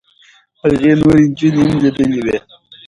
هغې نورې نجونې هم لیدلې وې.